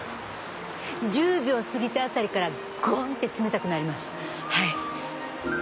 １０秒過ぎたあたりからゴンって冷たくなりますはい。